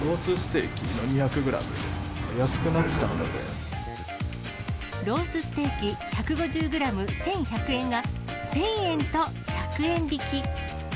ーろーすすてーき１５０グラム１１００円が１０００円と１００円引き。